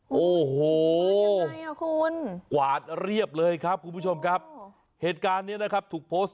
โอ้โหคุณกวาดเรียบเลยครับคุณผู้ชมครับเหตุการณ์นี้นะครับถูกโพสต์